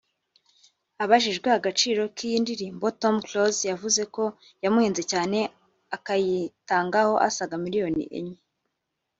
Abajijwe agaciro k’iyi ndirimbo Tom Close yavuze ko yamuhenze cyane akayitangaho asaga miliyoni enye